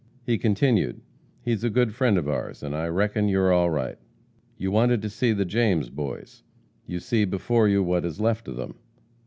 He continued, 'He is a good friend of ours, and I reckon you're all right. You wanted to see the James Boys. You see before you what is left of them.